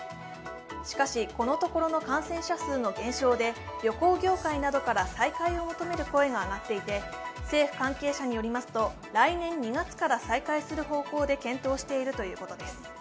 しかし、このところの感染者数の減少で旅行業界などから再開を求める声が上がっていて政府関係者によりますと、来年２月から再開する方向で検討しているということです。